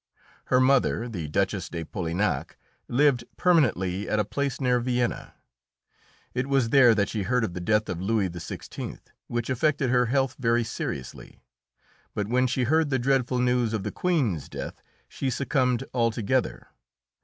Her mother, the Duchess de Polignac, lived permanently at a place near Vienna. It was there that she heard of the death of Louis XVI., which affected her health very seriously, but when she heard the dreadful news of the Queen's death she succumbed altogether.